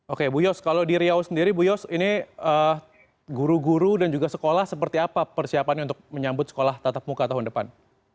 oke bu yos kalau di riau sendiri bu yos ini guru guru dan juga sekolah seperti apa persiapannya untuk menyambut sekolah tatap muka tahun depan